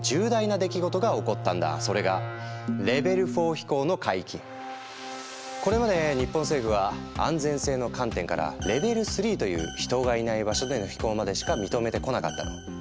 それがこれまで日本政府は安全性の観点からレベル３という人がいない場所での飛行までしか認めてこなかったの。